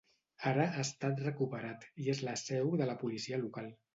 Ara ha estat recuperat i és la seu de la Policia Local.